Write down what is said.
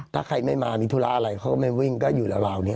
ถ้าใครไม่มามีธุระอะไรเขาก็ไม่วิ่งก็อยู่ราวนี้